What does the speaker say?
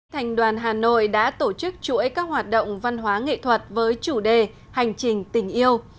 thành đoàn hà nội đã tổ chức chuỗi các hoạt động văn hóa nghệ thuật với chủ đề hành trình tình yêu